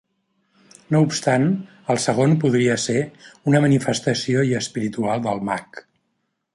No obstant el segon podria ser una manifestació i espiritual del mag.